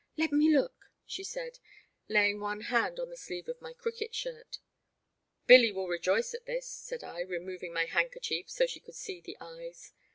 " Let me look," she said, laying one hand on the sleeve of my cricket shirt. Billy will rejoice at this," said I, removing my handkerchief so she could see the eyes.